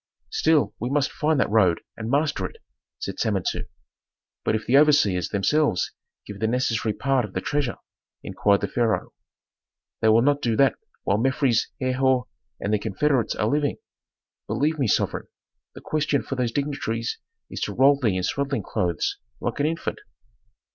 "Still we must find that road and master it," said Samentu. "But if the overseers themselves give the necessary part of the treasure," inquired the pharaoh. "They will not do that while Mefres, Herhor, and their confederates are living. Believe me, sovereign, the question for those dignitaries is to roll thee in swaddling clothes, like an infant."